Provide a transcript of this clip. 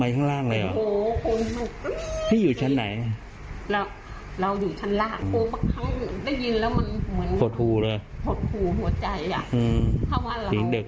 เราก็สงสัยว่าจะทำอะไรเด็ก